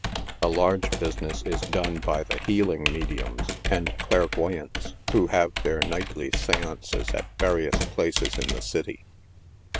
A large business is done by the healing mediums and clairvoy ants, who have their nightly seances at various places in the city.